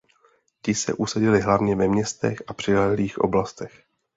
Ti se usadili hlavně ve městech a přilehlých oblastech.